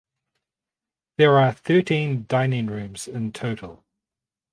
There are thirteen dining rooms in total.